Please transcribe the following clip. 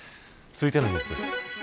続いてのニュースです。